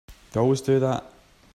They always do that.